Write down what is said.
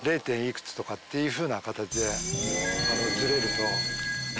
０．幾つとかっていうふうな形でずれると。